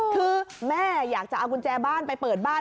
คือแม่อยากจะเอากุญแจบ้านไปเปิดบ้าน